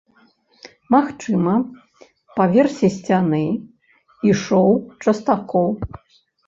Магчыма, па версе сцяны ішоў частакол.